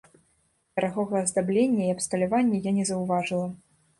Дарагога аздаблення і абсталявання я не заўважыла.